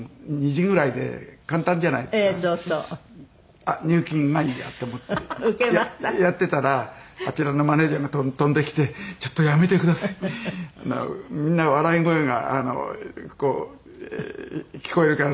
あっ入金がいいやって思ってやってたらあちらのマネジャーが飛んできて「ちょっとやめてください」「みんな笑い声が聞こえるから何かと思ったら師匠入金」。